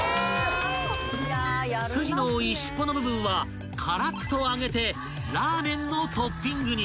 ［筋の多いしっぽの部分はカラッと揚げてラーメンのトッピングに］